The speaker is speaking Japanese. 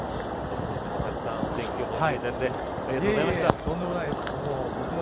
今年もたくさんお天気予報していただいてありがとうございました。